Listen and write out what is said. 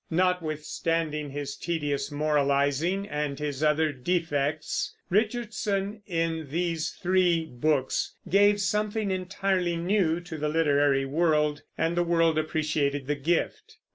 Notwithstanding his tedious moralizing and his other defects, Richardson in these three books gave something entirely new to the literary world, and the world appreciated the gift.